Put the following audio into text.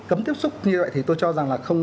cấm tiếp xúc như vậy thì tôi cho rằng là không